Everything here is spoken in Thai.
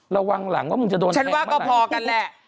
รัววางหลังว่ามันจะโดนแทงมากกว่า